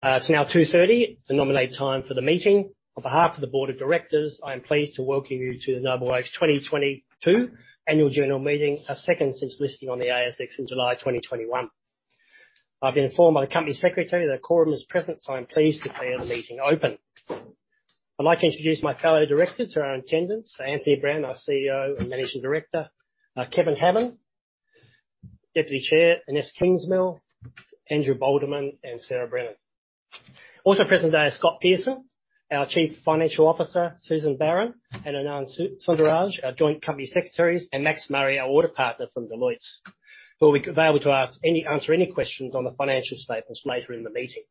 It's now 2:30 P.M., the nominated time for the meeting. On behalf of the board of directors, I am pleased to welcome you to the NobleOak's 2022 annual general meeting, our second since listing on the ASX in July 2021. I've been informed by the company secretary that a quorum is present, so I'm pleased to declare the meeting open. I'd like to introduce my fellow directors who are in attendance. Anthony Brown, our CEO and Managing Director, Kevin Hamman, Deputy Chair, Inese Kingsmill, Andrew Boldeman, and Sarah Brennan. Also present today is Scott Pearson, our Chief Financial Officer, Suzanne Barron, and Anand Sundaraj, our Joint Company Secretaries, and Max Murray, our Audit Partner from Deloitte, who will be available to answer any questions on the financial statements later in the meeting.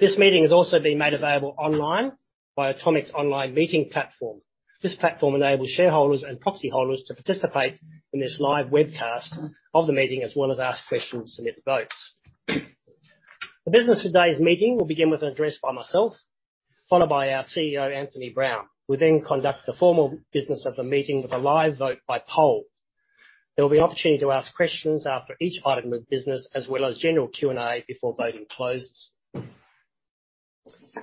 This meeting is also being made available online by Automic online meeting platform. This platform enables shareholders and proxy holders to participate in this live webcast of the meeting, as well as ask questions and submit votes. The business of today's meeting will begin with an address by myself, followed by our CEO Anthony Brown. We'll then conduct the formal business of the meeting with a live vote by poll. There will be opportunity to ask questions after each item of business, as well as general Q&A before voting closes.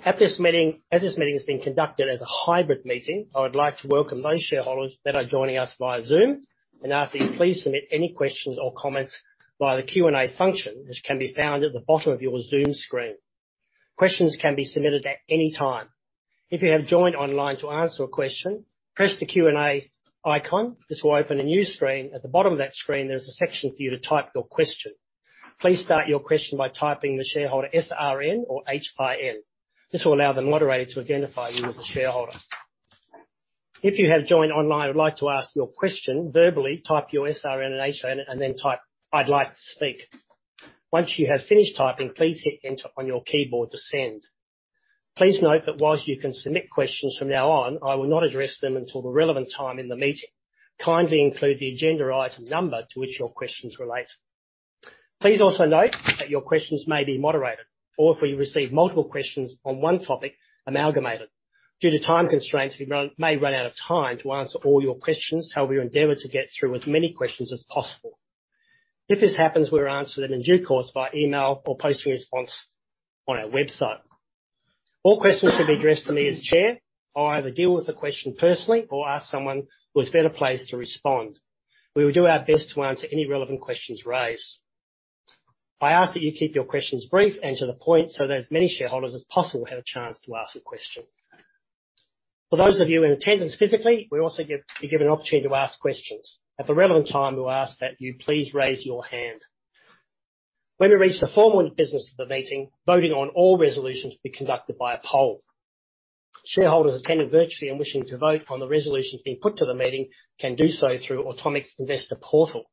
As this meeting is being conducted as a hybrid meeting, I would like to welcome those shareholders that are joining us via Zoom and ask that you please submit any questions or comments via the Q&A function, which can be found at the bottom of your Zoom screen. Questions can be submitted at any time. If you have joined online to answer a question, press the Q&A icon. This will open a new screen. At the bottom of that screen, there's a section for you to type your question. Please start your question by typing the shareholder SRN or HIN. This will allow the moderator to identify you as a shareholder. If you have joined online and would like to ask your question verbally, type your SRN and HIN and then type, "I'd like to speak." Once you have finished typing, please hit enter on your keyboard to send. Please note that whilst you can submit questions from now on, I will not address them until the relevant time in the meeting. Kindly include the agenda item number to which your questions relate. Please also note that your questions may be moderated or if we receive multiple questions on one topic, amalgamated. Due to time constraints, we may run out of time to answer all your questions. However, we endeavor to get through as many questions as possible. If this happens, we'll answer them in due course via email or post a response on our website. All questions should be addressed to me as chair. I'll either deal with the question personally or ask someone who is better placed to respond. We will do our best to answer any relevant questions raised. I ask that you keep your questions brief and to the point, so that as many shareholders as possible have a chance to ask a question. For those of you in attendance physically, we also give you an opportunity to ask questions. At the relevant time, we'll ask that you please raise your hand. When we reach the formal business of the meeting, voting on all resolutions will be conducted by a poll. Shareholders attending virtually and wishing to vote on the resolutions being put to the meeting can do so through Automic investor portal.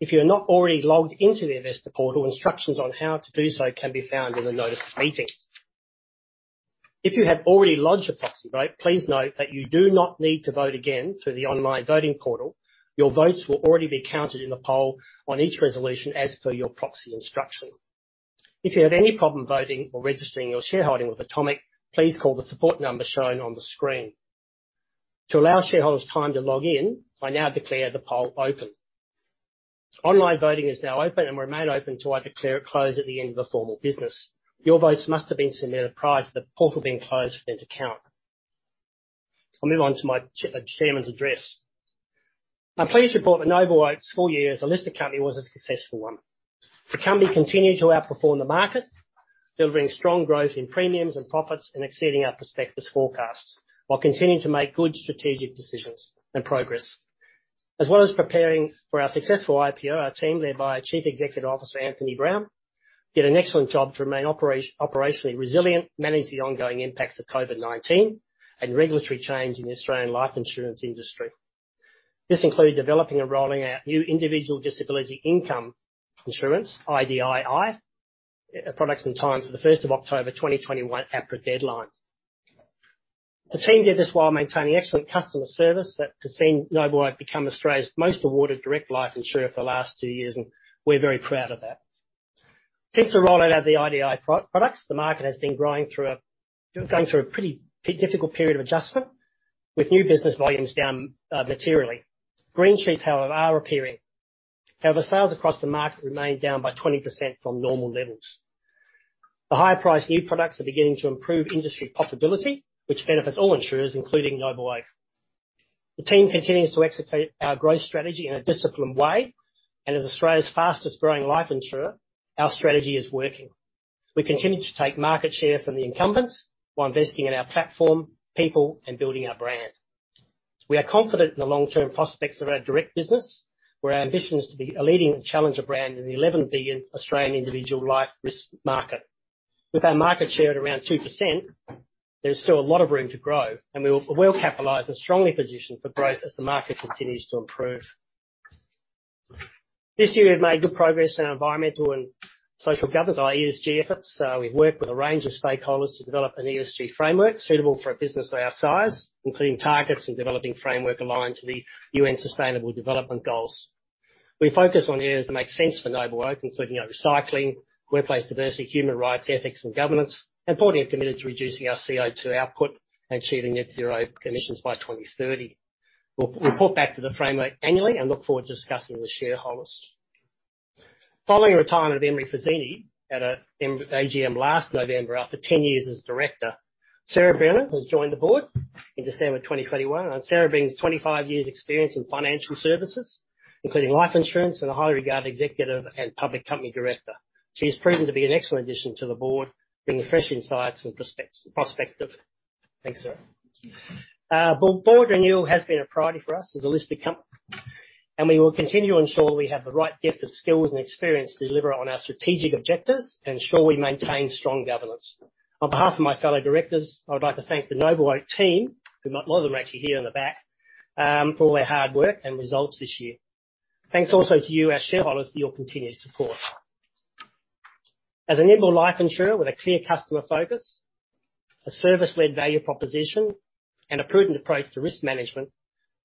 If you're not already logged into the investor portal, instructions on how to do so can be found in the notice of meeting. If you have already lodged a proxy vote, please note that you do not need to vote again through the online voting portal. Your votes will already be counted in the poll on each resolution as per your proxy instruction. If you have any problem voting or registering your shareholding with Automic, please call the support number shown on the screen. To allow shareholders time to log in, I now declare the poll open. Online voting is now open and will remain open till I declare it closed at the end of the formal business. Your votes must have been submitted prior to the portal being closed for them to count. I'll move on to my Chairman's address. I'm pleased to report that NobleOak's full year as a listed company was a successful one. The company continued to outperform the market, delivering strong growth in premiums and profits, and exceeding our prospectus forecasts, while continuing to make good strategic decisions and progress. As well as preparing for our successful IPO, our team, led by our Chief Executive Officer, Anthony Brown, did an excellent job to remain operationally resilient, manage the ongoing impacts of COVID-19, and regulatory change in the Australian life insurance industry. This included developing and rolling out new individual disability income insurance, IDII, products in time for the October 1st, 2021 APRA deadline. The team did this while maintaining excellent customer service that has seen NobleOak become Australia's most awarded direct life insurer for the last two years, and we're very proud of that. Since the rollout of the IDII products, the market has been going through a pretty difficult period of adjustment, with new business volumes down materially. Green shoots, however, are appearing. However, sales across the market remain down by 20% from normal levels. The higher priced new products are beginning to improve industry profitability, which benefits all insurers, including NobleOak. The team continues to execute our growth strategy in a disciplined way, and as Australia's fastest growing life insurer, our strategy is working. We continue to take market share from the incumbents while investing in our platform, people, and building our brand. We are confident in the long-term prospects of our direct business, where our ambition is to be a leading challenger brand in the 11 billion Australian individual life risk market. With our market share at around 2%, there is still a lot of room to grow, and well-capitalized and strongly positioned for growth as the market continues to improve. This year, we've made good progress in our environmental and social governance, our ESG efforts. We've worked with a range of stakeholders to develop an ESG framework suitable for a business our size, including targets and developing framework aligned to the UN Sustainable Development Goals. We focus on areas that make sense for NobleOak, including, you know, recycling, workplace diversity, human rights, ethics and governance, importantly have committed to reducing our CO2 output and achieving net zero emissions by 2030. We'll report back to the framework annually and look forward to discussing with shareholders. Following the retirement of Emery Fazzini at AGM last November after 10 years as director, Sarah Brennan has joined the board in December 2021. Sarah brings 25 years' experience in financial services, including life insurance and a highly regarded executive and public company director. She has proven to be an excellent addition to the board, bringing fresh insights and perspective. Thanks, Sarah. Thank you. Board renewal has been a priority for us as a listed comp, and we will continue to ensure we have the right depth of skills and experience to deliver on our strategic objectives and ensure we maintain strong governance. On behalf of my fellow directors, I would like to thank the NobleOak team, who a lot of them are actually here in the back, for all their hard work and results this year. Thanks also to you, our shareholders, for your continued support. As an nimble life insurer with a clear customer focus, a service-led value proposition, and a prudent approach to risk management,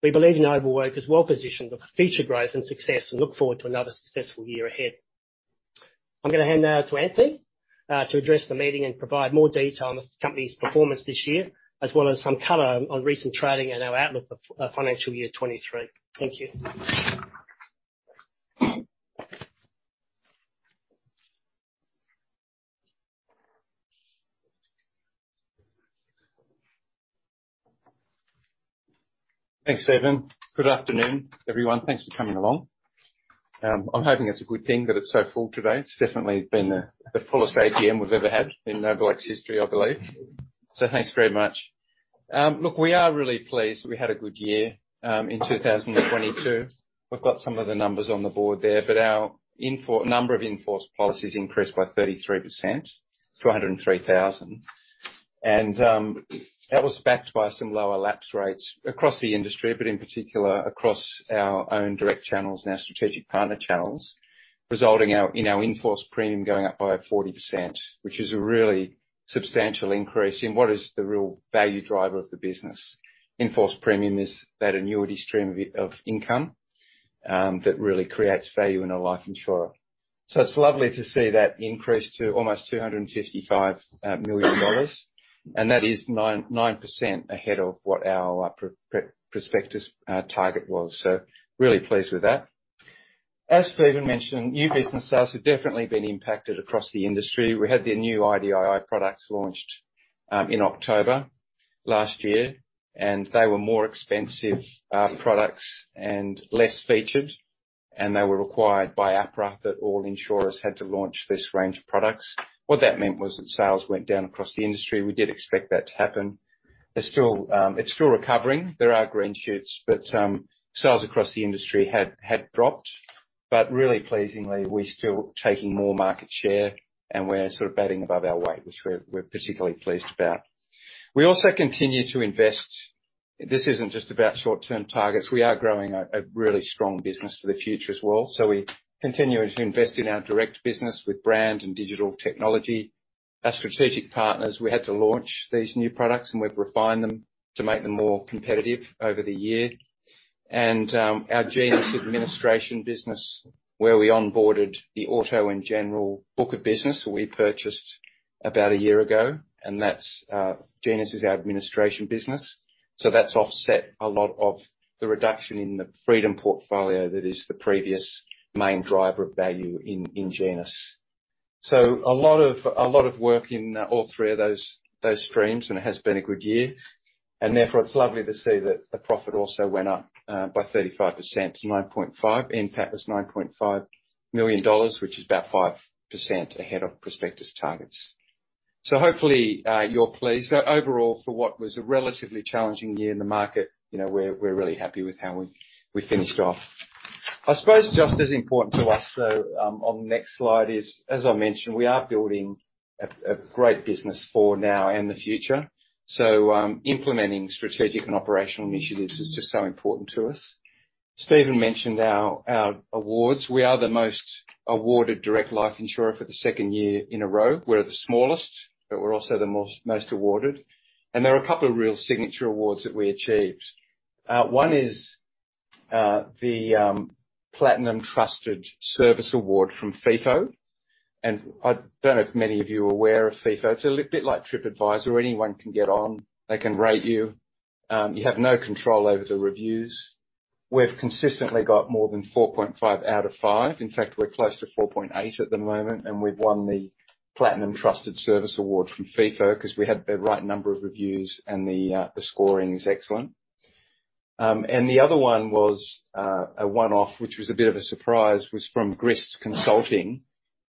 we believe NobleOak is well positioned for future growth and success and look forward to another successful year ahead. I'm gonna hand now to Anthony, to address the meeting and provide more detail on the company's performance this year, as well as some color on recent trading and our outlook for financial year 2023. Thank you. Thanks, Stephen. Good afternoon, everyone. Thanks for coming along. I'm hoping it's a good thing that it's so full today. It's definitely been the fullest AGM we've ever had in NobleOak's history, I believe. Thanks very much. Look, we are really pleased that we had a good year in 2022. We've got some of the numbers on the board there, but our number of in-force policies increased by 33% to 103,000. That was backed by some lower lapse rates across the industry, but in particular across our own direct channels and our strategic partner channels, resulting in our in-force premium going up by 40%, which is a really substantial increase in what is the real value driver of the business. In-force premium is that annuity stream of income that really creates value in a life insurer. It's lovely to see that increase to almost 255 million dollars, and that is 9% ahead of what our prospectus target was. Really pleased with that. As Stephen mentioned, new business sales have definitely been impacted across the industry. We had the new IDII products launched in October last year, and they were more expensive products and less featured, and they were required by APRA that all insurers had to launch this range of products. What that meant was that sales went down across the industry. We did expect that to happen. They're still, it's still recovering. There are green shoots, but sales across the industry had dropped. Really pleasingly, we're still taking more market share, and we're sort of batting above our weight, which we're particularly pleased about. We also continue to invest. This isn't just about short-term targets. We are growing a really strong business for the future as well. We continue to invest in our direct business with brand and digital technology. Our strategic partners, we had to launch these new products, and we've refined them to make them more competitive over the year. Our Genus administration business, where we onboarded the Auto & General book of business we purchased about a year ago, and that's Genus is our administration business. That's offset a lot of the reduction in the Freedom portfolio that is the previous main driver of value in Genus. A lot of work in all three of those streams. Therefore, it's lovely to see that the profit also went up by 35% to 9.5. NPAT was 9.5 million dollars, which is about 5% ahead of prospectus targets. Hopefully, you're pleased. Overall, for what was a relatively challenging year in the market, you know, we're really happy with how we finished off. I suppose just as important to us, though, on the next slide is, as I mentioned, we are building a great business for now and the future. Implementing strategic and operational initiatives is just so important to us. Stephen mentioned our awards. We are the most awarded direct life insurer for the second year in a row. We're the smallest, but we're also the most awarded. There are a couple of real signature awards that we achieved. One is the Platinum Trusted Service Award from Feefo. I don't know if many of you are aware of Feefo. It's a bit like TripAdvisor. Anyone can get on, they can rate you. You have no control over the reviews. We've consistently got more than 4.5 out of five. In fact, we're close to 4.8 at the moment, and we've won the Platinum Trusted Service Award from Feefo 'cause we had the right number of reviews and the scoring is excellent. The other one was a one-off, which was a bit of a surprise, was from GRIST Consulting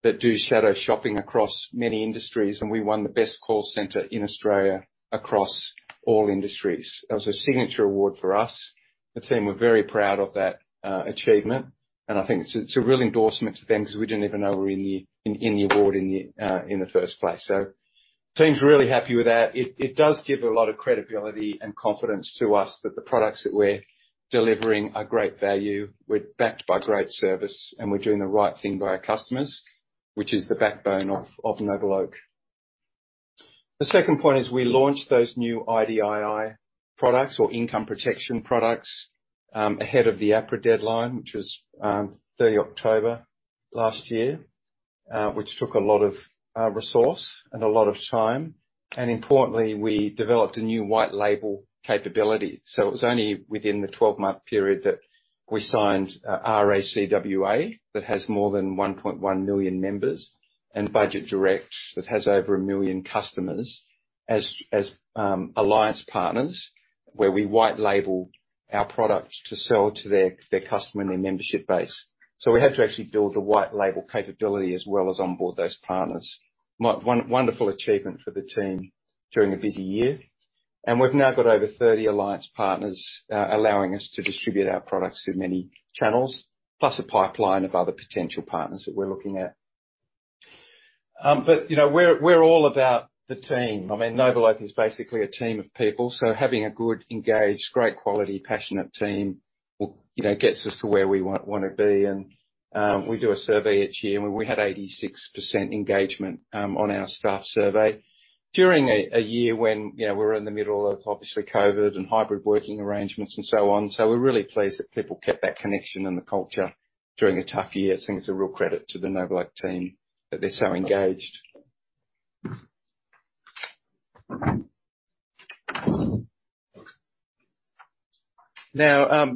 that do shadow shopping across many industries, and we won the Best Call Center in Australia across all industries. That was a signature award for us. The team were very proud of that achievement. I think it's a real endorsement to them because we didn't even know we were in the award in the first place. Team's really happy with that. It does give a lot of credibility and confidence to us that the products that we're delivering are great value, we're backed by great service, and we're doing the right thing by our customers, which is the backbone of NobleOak. The second point is we launched those new IDII products, or income protection products, ahead of the APRA deadline, which was October 30 last year. Which took a lot of resource and a lot of time. Importantly, we developed a new white label capability. It was only within the 12-month period that we signed RAC WA, that has more than 1.1 million members, and Budget Direct, that has over a million customers, as alliance partners, where we white label our products to sell to their customer and their membership base. We had to actually build the white label capability as well as onboard those partners. Wonderful achievement for the team during a busy year. We've now got over 30 alliance partners, allowing us to distribute our products through many channels, plus a pipeline of other potential partners that we're looking at. You know, we're all about the team. I mean, NobleOak is basically a team of people, so having a good, engaged, great quality, passionate team will, you know, gets us to where we wanna be. We do a survey each year, and we had 86% engagement on our staff survey during a year when, you know, we're in the middle of, obviously, COVID and hybrid working arrangements and so on. We're really pleased that people kept that connection and the culture during a tough year. I think it's a real credit to the NobleOak team that they're so engaged. Now,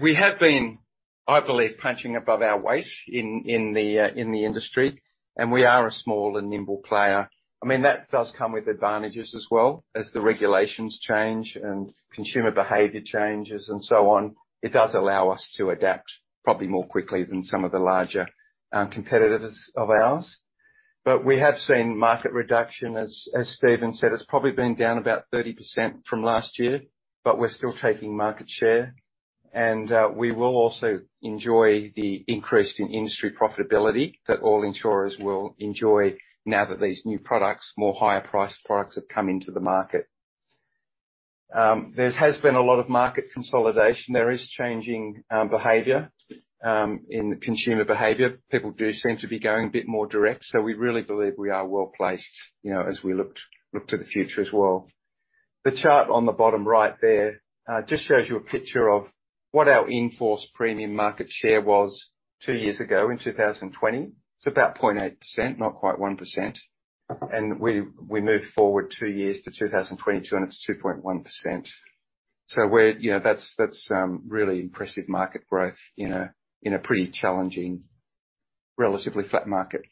we have been, I believe, punching above our weight in the industry, and we are a small and nimble player. I mean, that does come with advantages as well as the regulations change and consumer behavior changes and so on. It does allow us to adapt probably more quickly than some of the larger competitors of ours. We have seen market reduction. As Stephen said, it's probably been down about 30% from last year, but we're still taking market share. We will also enjoy the increase in industry profitability that all insurers will enjoy now that these new products, more higher priced products, have come into the market. There's been a lot of market consolidation. There is changing behavior in the consumer behavior. People do seem to be going a bit more direct. We really believe we are well-placed, you know, as we look to the future as well. The chart on the bottom right there just shows you a picture of what our in-force premium market share was two years ago in 2020. It's about 0.8%, not quite 1%. We moved forward two years to 2022, and it's 2.1%. You know, that's really impressive market growth in a pretty challenging, relatively flat market.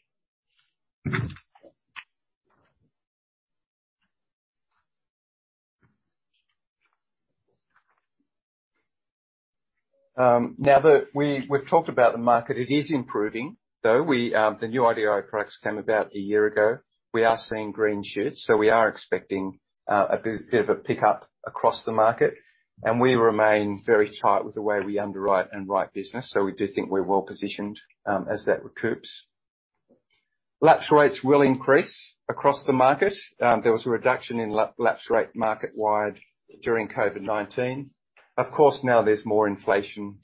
Now that we've talked about the market, it is improving, though we the new IDII products came about a year ago. We are seeing green shoots, so we are expecting a bit of a pickup across the market. We remain very tight with the way we underwrite and write business. We do think we're well-positioned as that recoups. Lapse rates will increase across the market. There was a reduction in lapse rate market wide during COVID-19. Of course, now there's more inflation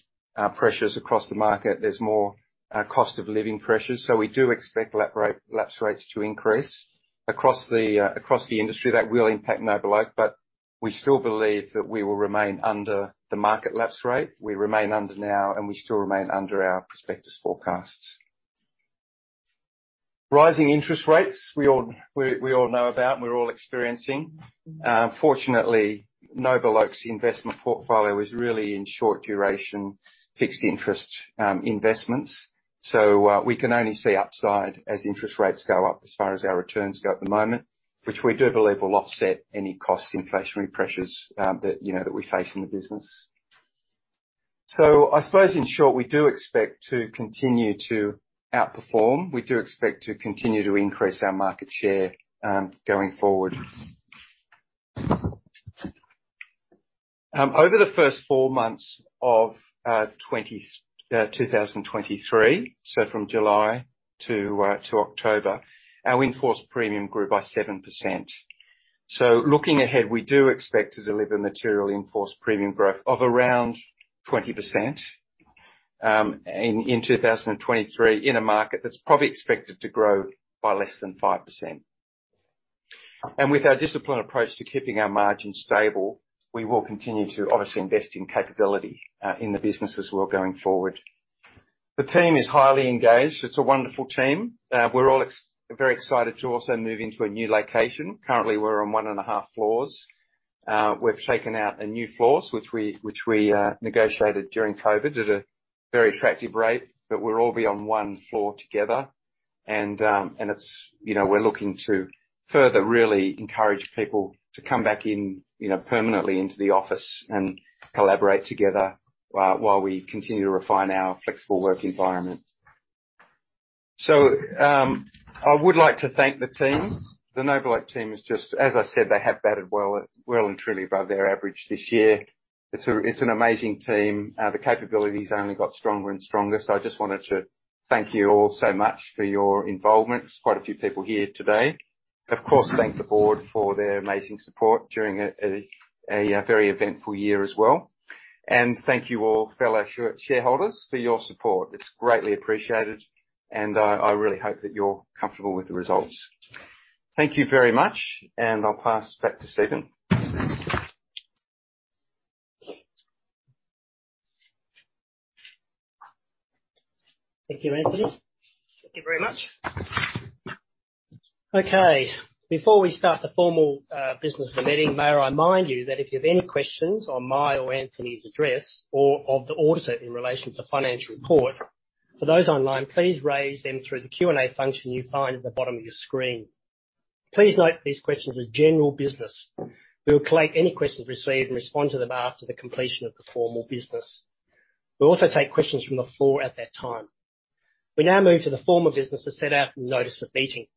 pressures across the market. There's more cost of living pressures. We do expect lapse rates to increase across the industry. That will impact NobleOak, but we still believe that we will remain under the market lapse rate. We remain under now, and we still remain under our prospectus forecasts. Rising interest rates, we all know about, and we're all experiencing. Fortunately, NobleOak's investment portfolio is really in short duration fixed interest investments. We can only see upside as interest rates go up as far as our returns go at the moment, which we do believe will offset any cost inflationary pressures that, you know, we face in the business. I suppose in short, we do expect to continue to outperform. We do expect to continue to increase our market share going forward. Over the first four months of 2023, so from July to October, our in-force premium grew by 7%. Looking ahead, we do expect to deliver material in-force premium growth of around 20% in 2023 in a market that's probably expected to grow by less than 5%. With our disciplined approach to keeping our margins stable, we will continue to obviously invest in capability in the business as well going forward. The team is highly engaged. It's a wonderful team. We're all very excited to also move into a new location. Currently, we're on 1.5 floors. We've taken out a new floors which we negotiated during COVID at a very attractive rate, but we'll all be on one floor together. You know, we're looking to further really encourage people to come back in, you know, permanently into the office and collaborate together while we continue to refine our flexible work environment. I would like to thank the team. The NobleOak team is just, as I said, they have batted well and truly above their average this year. It's an amazing team. The capabilities only got stronger and stronger. I just wanted to thank you all so much for your involvement. There's quite a few people here today. Of course, thank the board for their amazing support during a very eventful year as well. Thank you all fellow shareholders for your support. It's greatly appreciated, and I really hope that you're comfortable with the results. Thank you very much, and I'll pass back to Stephen. Thank you, Anthony. Thank you very much. Okay, before we start the formal business of the meeting, may I remind you that if you have any questions on my or Anthony's address or of the auditor in relation to the financial report, for those online, please raise them through the Q&A function you find at the bottom of your screen. Please note these questions are general business. We will collect any questions received and respond to them after the completion of the formal business. We'll also take questions from the floor at that time. We now move to the formal business as set out in the notice of meeting.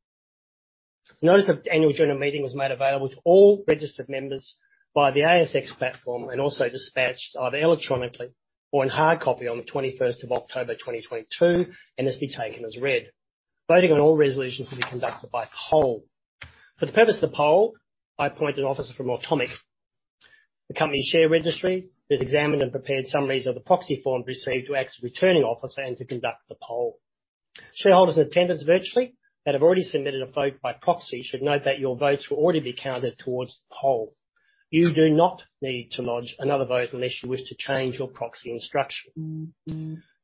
The notice of annual general meeting was made available to all registered members via the ASX platform and also dispatched either electronically or in hard copy on the October 21st, 2022 and has been taken as read. Voting on all resolutions will be conducted by poll. For the purpose of the poll, I appoint an officer from Automic, the company's share registry, who has examined and prepared summaries of the proxy forms received to act as a returning officer and to conduct the poll. Shareholders in attendance virtually that have already submitted a vote by proxy should note that your votes will already be counted towards the poll. You do not need to lodge another vote unless you wish to change your proxy instruction.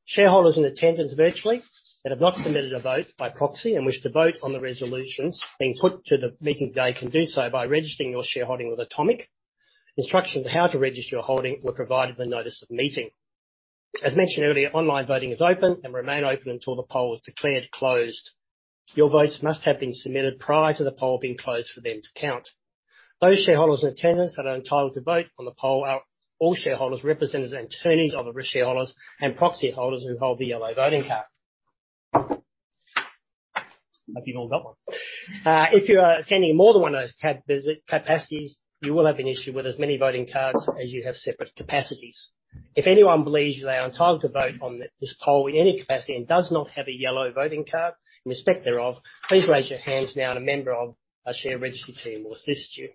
Shareholders in attendance virtually that have not submitted a vote by proxy and wish to vote on the resolutions being put to the meeting today can do so by registering your shareholding with Automic. Instructions on how to register your holding were provided in the notice of meeting. As mentioned earlier, online voting is open and will remain open until the poll is declared closed. Your votes must have been submitted prior to the poll being closed for them to count. Those shareholders in attendance that are entitled to vote on the poll are all shareholders represented as attorneys of other shareholders and proxy holders who hold the yellow voting card. Hope you've all got one. If you are attending in more than one of those capacities, you will have been issued with as many voting cards as you have separate capacities. If anyone believes they are entitled to vote on this poll in any capacity and does not have a yellow voting card in respect thereof, please raise your hands now and a member of our share registry team will assist you.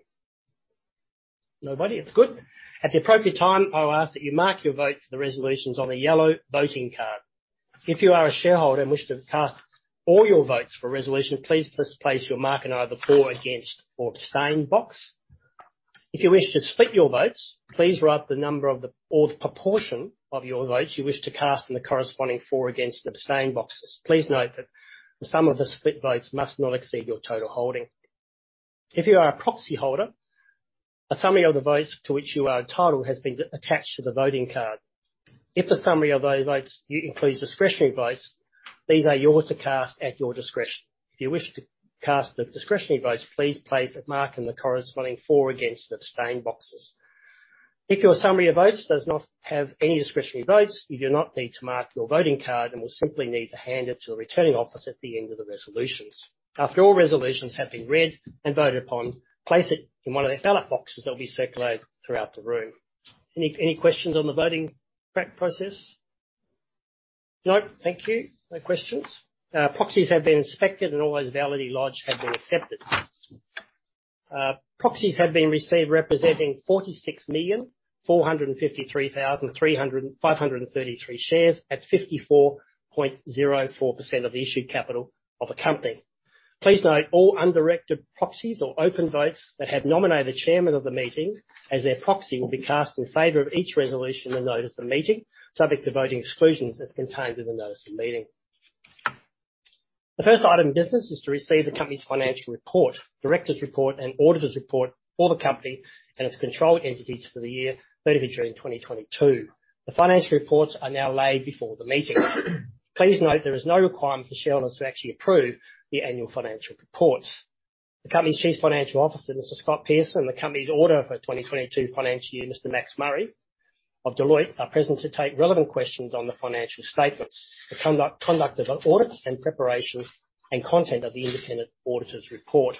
Nobody? That's good. At the appropriate time, I will ask that you mark your vote for the resolutions on a yellow voting card. If you are a shareholder and wish to cast all your votes for a resolution, please place your mark in either for, against, or abstain box. If you wish to split your votes, please write the proportion of your votes you wish to cast in the corresponding for, against, and abstain boxes. Please note that the sum of the split votes must not exceed your total holding. If you are a proxy holder, a summary of the votes to which you are entitled has been attached to the voting card. If the summary of those votes includes discretionary votes, these are yours to cast at your discretion. If you wish to cast the discretionary votes, please place a mark in the corresponding for, against, and abstain boxes. If your summary of votes does not have any discretionary votes, you do not need to mark your voting card and will simply need to hand it to the returning officer at the end of the resolutions. After all resolutions have been read and voted upon, place it in one of the ballot boxes that will be circulated throughout the room. Any questions on the voting track process? No? Thank you. No questions. Proxies have been inspected, and all those validly lodged have been accepted. Proxies have been received representing 46,453,533 shares at 54.04% of the issued capital of the company. Please note all undirected proxies or open votes that have nominated the chairman of the meeting as their proxy will be cast in favor of each resolution in the notice of the meeting, subject to voting exclusions as contained in the notice of the meeting. The first item of business is to receive the company's financial report, directors' report, and auditors' report for the company and its controlled entities for the year June 30, 2022. The financial reports are now laid before the meeting. Please note there is no requirement for shareholders to actually approve the annual financial reports. The company's Chief Financial Officer, Mr. Scott Pearson, and the company's Auditor for 2022 financial year, Mr. Max Murray of Deloitte, are present to take relevant questions on the financial statements, the conduct of the audit, and preparation and content of the independent auditor's report.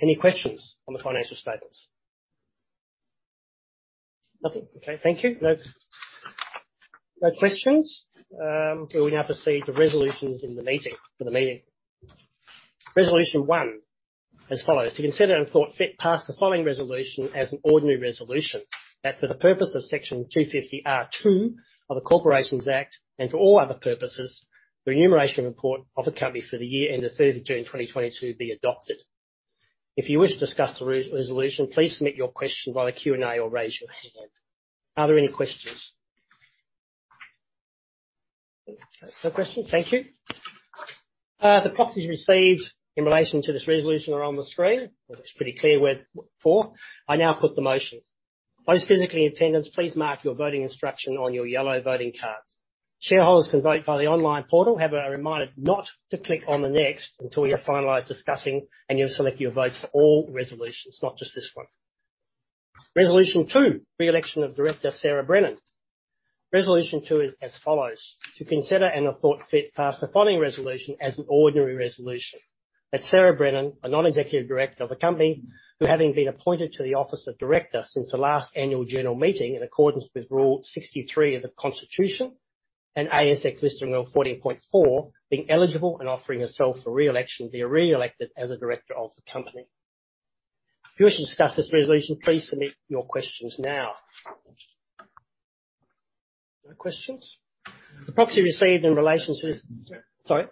Any questions on the financial statements? Nothing. Okay, thank you. No, no questions. We will now proceed to resolutions for the meeting. Resolution one as follows, to consider and, if thought fit, pass the following resolution as an ordinary resolution: That for the purpose of Section 250R(2) of the Corporations Act, and for all other purposes, the remuneration report of the company for the year ending June 30, 2022 be adopted. If you wish to discuss the resolution, please submit your question via the Q&A or raise your hand. Are there any questions? Okay. No questions. Thank you. The proxies received in relation to this resolution are on the screen. Well, it's pretty clear we're for. I now put the motion. Those physically in attendance, please mark your voting instruction on your yellow voting cards. Shareholders can vote via the online portal. Are reminded not to click on the Next until you have finalized discussing and you have selected your votes for all resolutions, not just this one. Resolution two: Re-election of Director Sarah Brennan. Resolution two is as follows: To consider and, if thought fit, pass the following resolution as an ordinary resolution: That Sarah Brennan, a non-executive director of the company, who, having been appointed to the office of director since the last annual general meeting in accordance with Rule 63 of the Constitution and ASX Listing Rule 14.4, being eligible and offering herself for re-election, be re-elected as a director of the company. If you wish to discuss this resolution, please submit your questions now. No questions? The proxy received in relation to Sorry?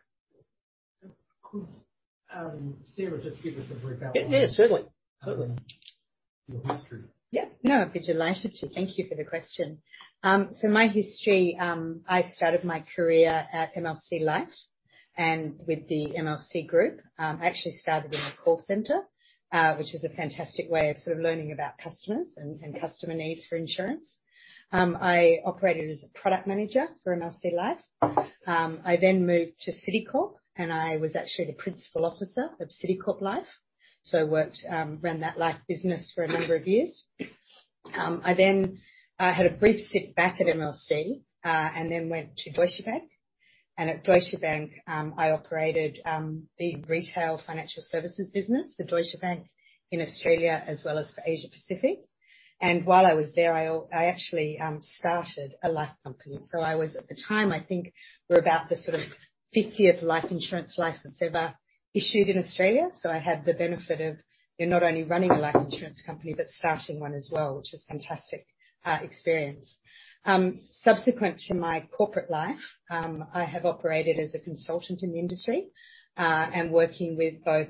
Could Sarah just give us a brief outline-. Yeah, certainly.... of your history. No, I'd be delighted to. Thank you for the question. My history, I started my career at MLC Life and with the MLC group. I actually started in a call center, which is a fantastic way of sort of learning about customers and customer needs for insurance. I operated as a product manager for MLC Life. I then moved to Citicorp. I was actually the principal officer of Citicorp Life. I worked, ran that life business for a number of years. I then had a brief sit back at MLC. I then went to Deutsche Bank. At Deutsche Bank, I operated the retail financial services business for Deutsche Bank in Australia as well as for Asia Pacific. While I was there, I actually started a life company. I was, at the time, I think we're about the sort of 50th life insurance license ever issued in Australia. I had the benefit of, you know, not only running a life insurance company, but starting one as well, which was fantastic experience. Subsequent to my corporate life, I have operated as a consultant in the industry, and working with both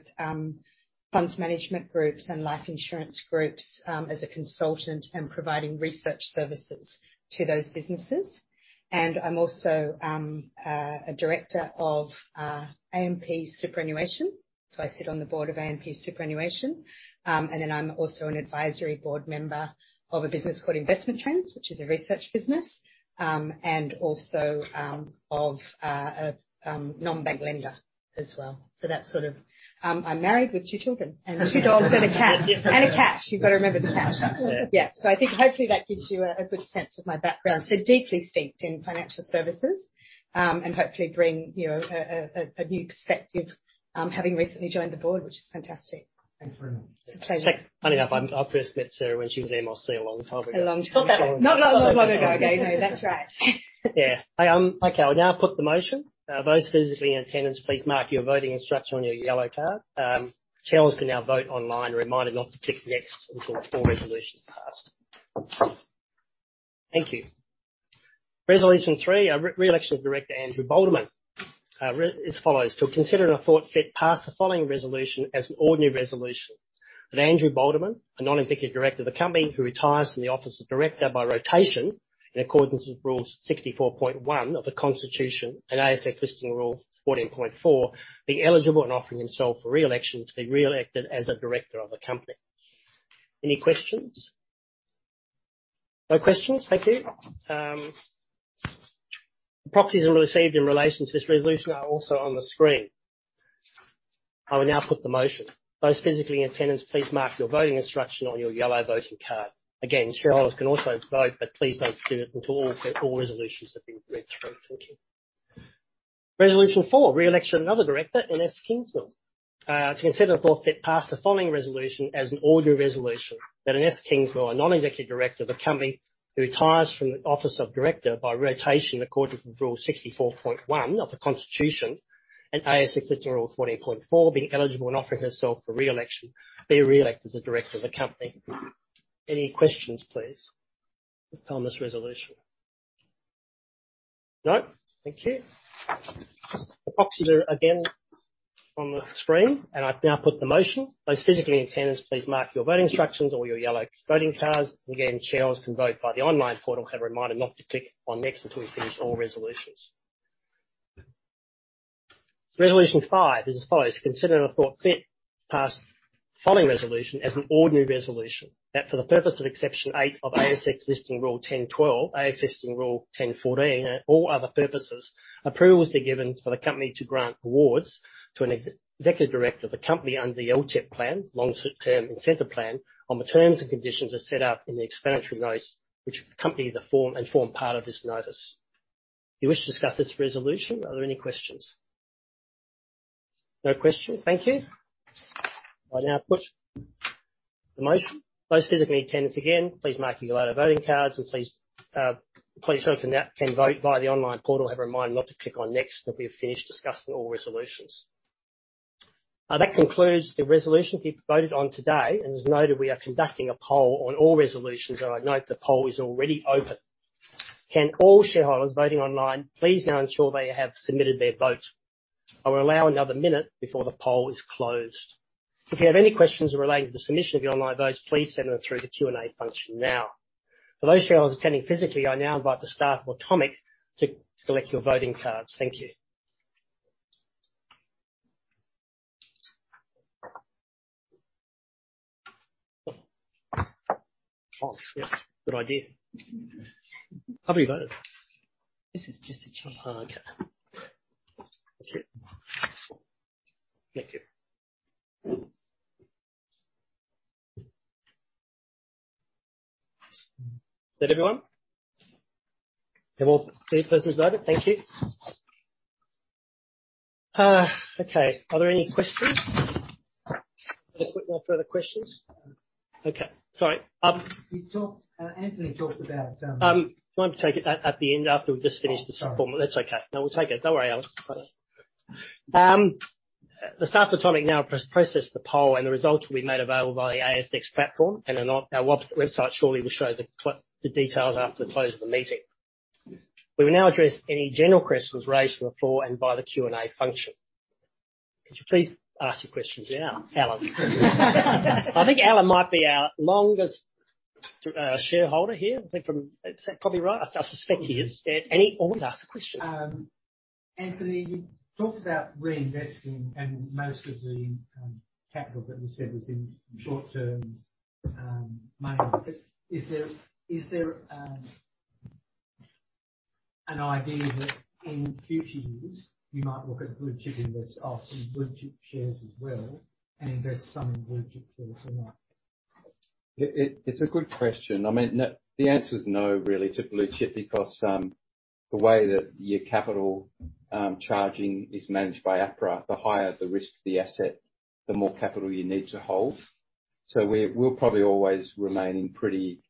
funds management groups and life insurance groups, as a consultant and providing research services to those businesses. I'm also a director of AMP Superannuation. I sit on the board of AMP Superannuation. I'm also an advisory board member of a business called Investment Trends, which is a research business, and also of a non-bank lender as well. That's sort of... I'm married with two children and two dogs and a cat. A cat. You've got to remember the cat. I think hopefully that gives you a good sense of my background. Deeply steeped in financial services, and hopefully bring, you know, a new perspective, having recently joined the board, which is fantastic. Thanks very much. It's a pleasure. Funnily enough, I first met Sarah when she was at MLC a long time ago. A long time. Not long ago. No, that's right. Yeah. I. Okay. I'll now put the motion. Those physically in attendance, please mark your voting instruction on your yellow card. Shareholders can now vote online. A reminder not to click next until all four resolutions are passed. Thank you. Resolution three, re-election of Director Andrew Boldeman as follows: to consider and I thought fit pass the following resolution as an ordinary resolution. That Andrew Boldeman, a non-executive director of the company, who retires from the office of director by rotation in accordance with Rules 64.1 of the Constitution and ASX Listing Rule 14.4, be eligible and offering himself for re-election to be re-elected as a director of the company. Any questions? No questions. Thank you. The proxies received in relation to this resolution are also on the screen. I will now put the motion. Those physically in attendance, please mark your voting instruction on your yellow voting card. Again, shareholders can also vote, but please don't do it until all resolutions have been read through. Thank you. Resolution four, re-election of another director, Inese Kingsmill. To consider the board fit pass the following resolution as an ordinary resolution, that Inese Kingsmill, a non-executive director of the company, who retires from the office of director by rotation in accordance with Rule 64.1 of the Constitution and ASX Listing Rule 14.4, being eligible and offering herself for re-election, be re-elected as a director of the company. Any questions, please, on this resolution? No? Thank you. The proxies are again on the screen. I now put the motion. Those physically in attendance, please mark your voting instructions on your yellow voting cards. Again, shareholders can vote via the online portal. A reminder not to click on next until we finish all resolutions. Resolution five is as follows: Consider and I thought fit pass the following resolution as an ordinary resolution. That for the purpose of Exception eight of ASX Listing Rule 10.12, ASX Listing Rule 10.14, and all other purposes, approval has been given for the company to grant awards to an ex-executive director of the company under the LTIP plan, Long-Term Incentive Plan, on the terms and conditions as set out in the explanatory notes which accompany the form and form part of this notice. Do you wish to discuss this resolution? Are there any questions? No questions. Thank you. I now put the motion. Those physically in attendance, again, please mark your yellow voting cards and please those who now can vote via the online portal have a reminder not to click on next till we have finished discussing all resolutions. That concludes the resolution being voted on today. As noted, we are conducting a poll on all resolutions. I note the poll is already open. Can all shareholders voting online please now ensure they have submitted their vote. I will allow another minute before the poll is closed. If you have any questions relating to the submission of your online votes, please send them through the Q&A function now. For those shareholders attending physically, I now invite the staff of Automic to collect your voting cards. Thank you. Oh, yeah. Good idea. Have you voted? This is just a job. Okay. That's it. Thank you. Is that everyone? You've personally voted. Thank you. Okay. Are there any questions? Any quick more further questions? Um- Okay. Sorry. Anthony talked about. Do you want me to take it at the end after we've just finished this? Oh, sorry. That's okay. No, we'll take it. Don't worry, Alex. The staff Automic now process the poll. The results will be made available via ASX platform. On our website shortly will show the details after the close of the meeting. We will now address any general questions raised on the floor and via the Q&A function. Could you please ask your questions now, Alan? I think Alan might be our longest shareholder here. I think from... Is that probably right? I suspect he is. Is there any... Oh, ask the question. Anthony, you talked about reinvesting and most of the capital that was said was in short-term money. Is there an idea that in future years you might look at blue chip invest or some blue chip shares as well and invest some blue chip shares or not? It's a good question. I mean, the answer is no really to blue chip because the way that your capital charging is managed by APRA, the higher the risk of the asset, the more capital you need to hold. We'll probably always remain in pretty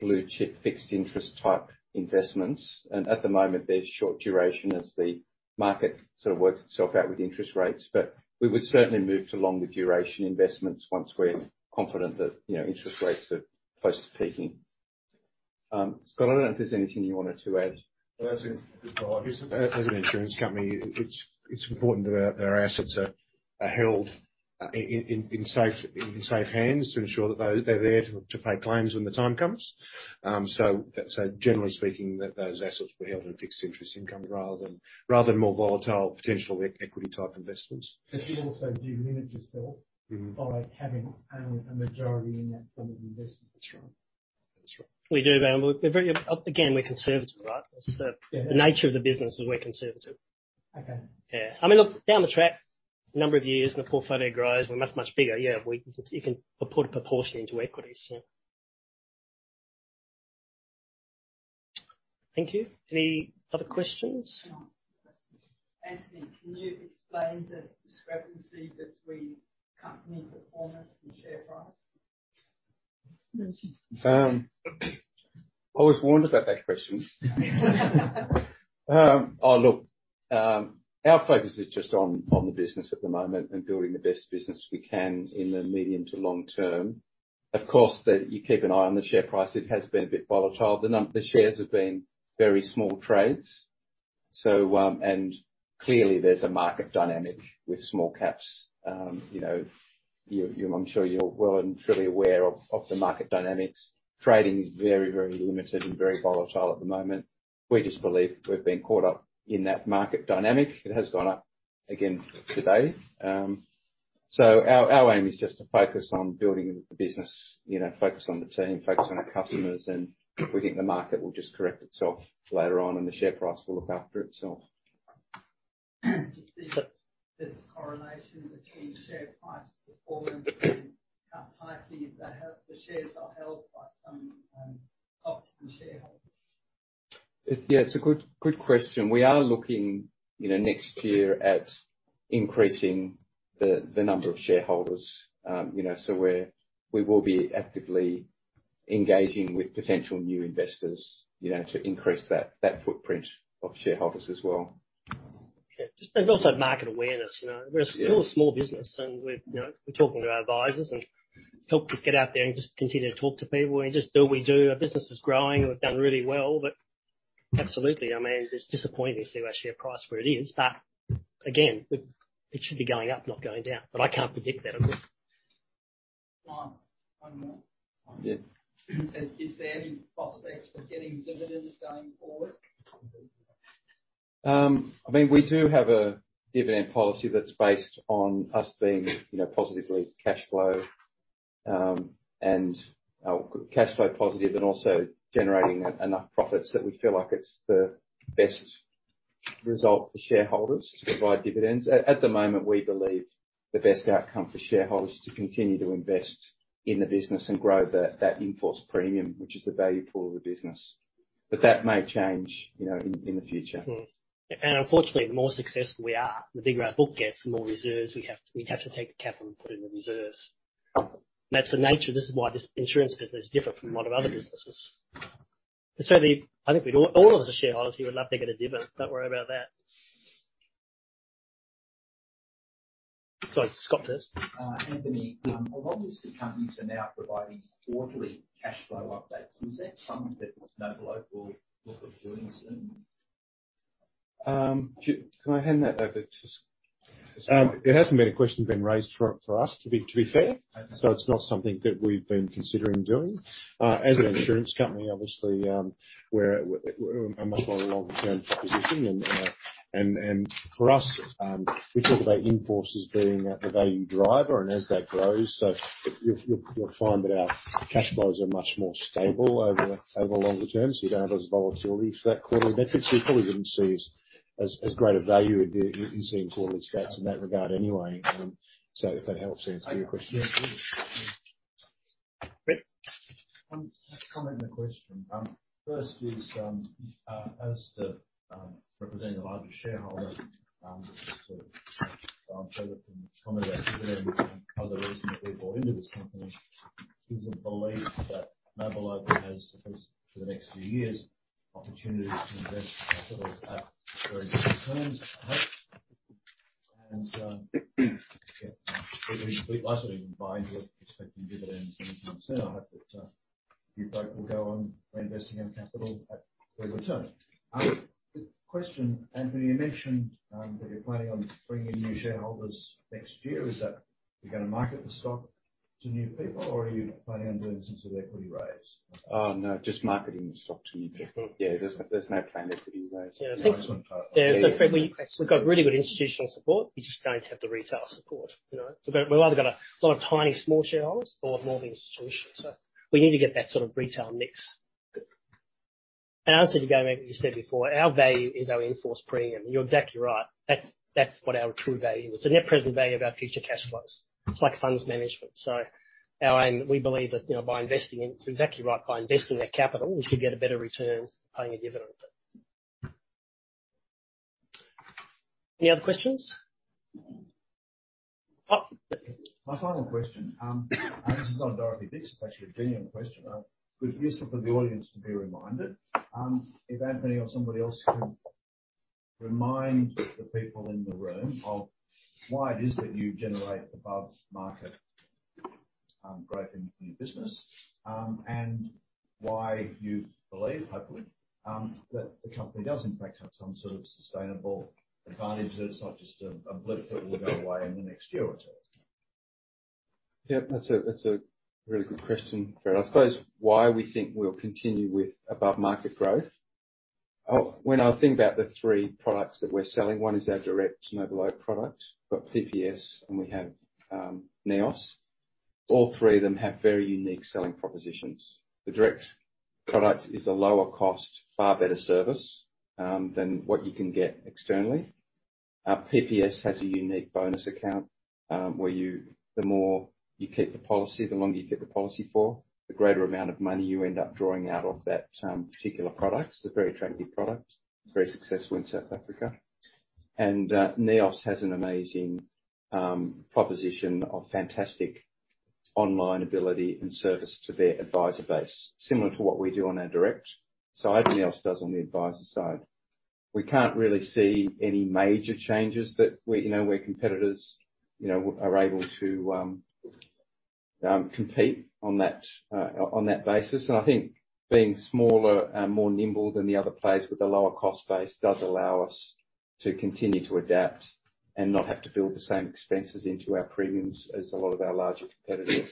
blue chip fixed interest type investments. At the moment, they're short duration as the market sort of works itself out with interest rates. We would certainly move to longer duration investments once we're confident that, you know, interest rates are close to peaking. Scott, I don't know if there's anything you wanted to add. Well, as an insurance company, it's important that our assets are held in safe hands to ensure that they're there to pay claims when the time comes. Generally speaking, that those assets will be held in a fixed interest income rather than more volatile potential equity type investments. You also do limit yourself- Mm-hmm. by having only a majority in that form of investment. That's right. That's right. We do, but we're again conservative, right? Yeah. Nature of the business is we're conservative. Okay. Yeah. I mean, look, down the track, number of years and the portfolio grows, we're much, much bigger, yeah, you can put a proportion into equities. Yeah. Thank you. Any other questions? Can I ask a question? Anthony, can you explain the discrepancy between company performance and share price? I was warned about that question. Our focus is just on the business at the moment and building the best business we can in the medium to long term. Of course, that you keep an eye on the share price. It has been a bit volatile. The shares have been very small trades. Clearly there's a market dynamic with small caps. You know, I'm sure you're well and truly aware of the market dynamics. Trading is very, very limited and very volatile at the moment. We just believe we've been caught up in that market dynamic. It has gone up again today. Our aim is just to focus on building the business, you know, focus on the team, focus on our customers, and we think the market will just correct itself later on and the share price will look after itself. Just think that there's a correlation between share price performance and how tightly the shares are held by some optimum shareholders. It's. Yeah, it's a good question. We are looking, you know, next year at increasing the number of shareholders. You know, so we will be actively engaging with potential new investors, you know, to increase that footprint of shareholders as well. Yeah. Just, and also market awareness, you know. Yeah. We're still a small business we're, you know, we're talking to our advisors and help to get out there and just continue to talk to people and just do what we do. Our business is growing. We've done really well. Absolutely, I mean, it's disappointing to see our share price where it is. Again, it should be going up, not going down. I can't predict that. One. One more. Yeah. Is there any prospects for getting dividends going forward? I mean, we do have a dividend policy that's based on us being, you know, positively cash flow, and cash flow positive and also generating enough profits that we feel like it's the best result for shareholders to provide dividends. At the moment, we believe the best outcome for shareholders is to continue to invest in the business and grow that in-force premium, which is the value pool of the business. That may change, you know, in the future. Unfortunately, the more successful we are, the bigger our book gets, the more reserves we have to take the capital and put it in the reserves. That's the nature. This is why this insurance business is different from a lot of other businesses. Certainly, I think we'd all of us as shareholders here would love to get a dividend. Don't worry about that. Sorry, Scott first. Anthony. Yeah. A lot of these companies are now providing quarterly cash flow updates. Is that something that NobleOak will look at doing soon? Can I hand that over to Scott? It hasn't been a question been raised for us, to be fair. It's not something that we've been considering doing. As an insurance company, obviously, we're a much more longer term proposition. For us, we talk about in-force as being the value driver and as that grows, so you'll find that our cash flows are much more stable over longer term. You don't have as volatility for that quarterly metric. You probably wouldn't see as great a value in doing, in seeing quarterly stats in that regard anyway. If that helps answer your question. Yeah. It does. Rick? Comment and a question. First is, as representing the largest shareholder, I'm sure we can comment that part of the reason that we bought into this company is a belief that NobleOak has for the next few years, opportunities to invest capital at very good terms. I hope- Yeah, we last thing in mind here expecting dividends anytime soon. I hope that you folk will go on reinvesting our capital at good return. Question, Anthony, you mentioned that you're planning on bringing new shareholders next year. Is that you're gonna market the stock to new people or are you planning on doing some sort of equity raise? Oh, no, just marketing the stock to new people. Yeah, there's no plan there to raise. Yeah. Oh, it's on. Yeah. Fred, we've got really good institutional support. We just don't have the retail support, you know. We've either got a lot of tiny small shareholders or more of the institutions. We need to get that sort of retail mix. Also to go back to what you said before, our value is our in-force premium. You're exactly right. That's what our true value is, the net present value of our future cash flows. It's like funds management. Our aim, we believe that, you know, by investing in... Exactly right. By investing that capital, we should get a better return paying a dividend. Any other questions? Oh. My final question, this is not a Dorothy Dixer, it's actually a genuine question. Useful for the audience to be reminded, if Anthony or somebody else could remind the people in the room of why it is that you generate above-market growth in your business, and why you believe, hopefully, that the company does in fact have some sort of sustainable advantage, that it's not just a blip that will go away in the next year or two. Yeah. That's a, that's a really good question. I suppose why we think we'll continue with above-market growth. When I think about the three products that we're selling, one is our direct NobleOak product. We've got PPS and we have NEOS. All three of them have very unique selling propositions. The direct product is a lower cost, far better service than what you can get externally. Our PPS has a unique bonus account, the more you keep the policy, the longer you keep the policy for, the greater amount of money you end up drawing out of that particular product. It's a very attractive product, very successful in South Africa. NEOS has an amazing proposition of fantastic online ability and service to their advisor base. Similar to what we do on our direct side, NEOS does on the advisor side. We can't really see any major changes that we're, you know, where competitors, you know, are able to compete on that basis. I think being smaller and more nimble than the other players with a lower cost base does allow us to continue to adapt and not have to build the same expenses into our premiums as a lot of our larger competitors.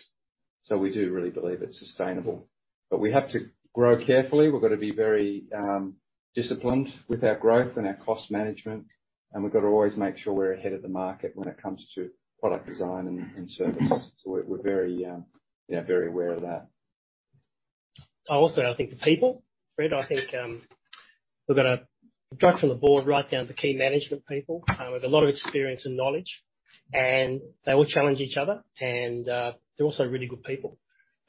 We do really believe it's sustainable. We have to grow carefully. We've got to be very disciplined with our growth and our cost management, and we've got to always make sure we're ahead of the market when it comes to product design and service. We're very, yeah, very aware of that. I think the people. Fred, I think, we've got a drive from the board right down to key management people, with a lot of experience and knowledge, and they all challenge each other and, they're also really good people.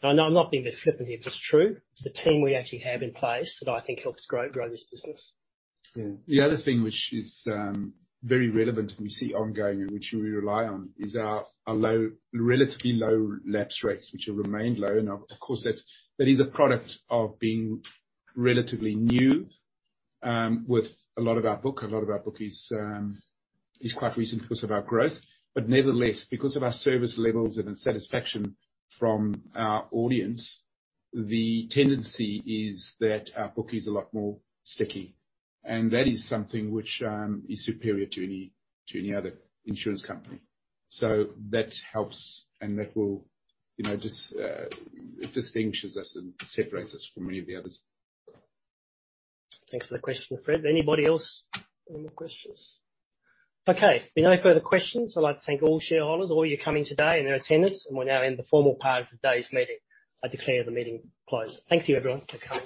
I'm not being a bit flippant here if it's true. It's the team we actually have in place that I think helps grow this business. Yeah. The other thing which is very relevant and we see ongoing and which we rely on is our low, relatively low lapse rates which have remained low. Of course, that's, that is a product of being relatively new with a lot of our book. A lot of our book is quite recent because of our growth. Nevertheless, because of our service levels and the satisfaction from our audience, the tendency is that our book is a lot more sticky, and that is something which is superior to any other insurance company. That helps and that will, you know, just distinguishes us and separates us from any of the others. Thanks for the question, Fred. Anybody else have more questions? Okay. If no further questions, I'd like to thank all shareholders for all you coming today and your attendance and will now end the formal part of today's meeting. I declare the meeting closed. Thank you, everyone, for coming.